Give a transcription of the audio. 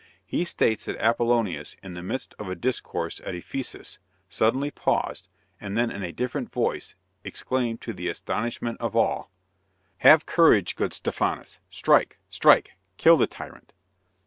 He states that Apollonius, in the midst of a discourse at Ephesus, suddenly paused, and then in a different voice, exclaimed, to the astonishment of all: "Have courage, good Stephanus! Strike! strike! Kill the tyrant!"